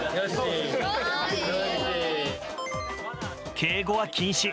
敬語は禁止。